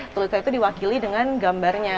tulisan itu diwakili dengan gambarnya